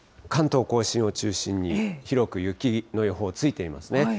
関東甲信を中心に、広く雪の予報ついていますね。